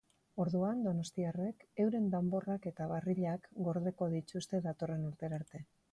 Orduan, donostiarrek euren danborrak eta barrilak gordeko dituzte datorren urtera arte.